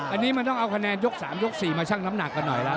อันนี้มันต้องเอาคะแนนยก๓ยก๔มาชั่งน้ำหนักกันหน่อยแล้ว